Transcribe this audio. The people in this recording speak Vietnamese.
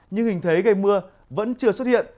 nhưng hình thế gây mưa vẫn chưa xuất hiện